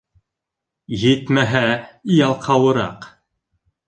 Етмәһә, ялҡауыраҡ.